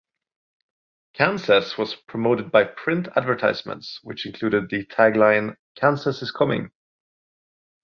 "Kansas" was promoted by print advertisements which included the tagline "Kansas is Koming.